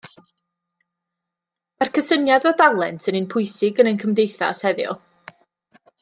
Mae'r cysyniad o dalent yn un pwysig yn ein cymdeithas heddiw.